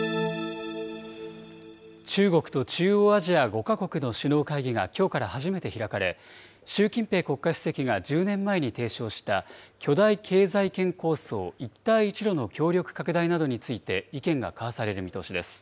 中国と中央アジア５か国の首脳会議がきょうから初めて開かれ、習近平国家主席が１０年前に提唱した巨大経済圏構想、一帯一路の協力拡大などについて意見が交わされる見通しです。